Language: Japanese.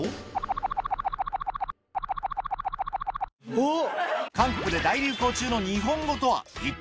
おっ！